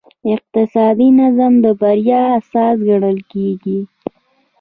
اقتصادي نظم د بریا اساس ګڼل کېږي.